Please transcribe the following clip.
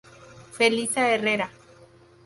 Felisa Herrera.